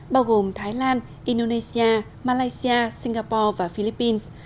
bao gồm thái lan indonesia malaysia singapore và philippines